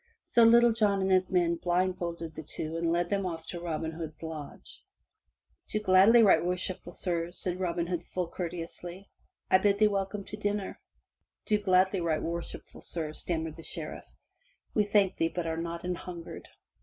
So Little John and his men blindfolded the two and led them off to Robin Hood's lodge. "Do gladly, right worshipful sirs," says Robin Hood full courteously, "I bid you welcome to dinner!" "Do gladly, right worshipful sir," stammered the Sheriff. "We thank thee but are not an hungered!"